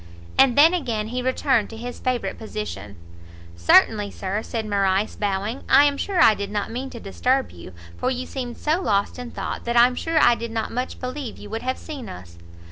And then again he returned to his favourite position. "Certainly, Sir," said Morrice, bowing; "I am sure I did not mean to disturb you; for you seemed so lost in thought, that I'm sure I did not much believe you would have seen us."